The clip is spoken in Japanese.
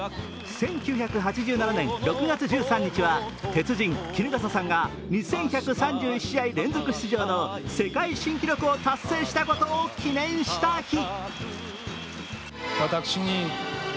１９８７年６月１３日は鉄人・衣笠さんが２１３１試合連続出場の世界新記録を達成したことを記念した日。